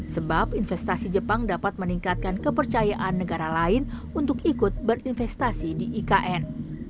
sebab investasi jepang dapat meningkatkan kepercayaan negara lain untuk ikut berinvestasi di ikn